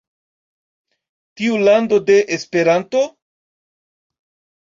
Tiu lando de Esperanto!?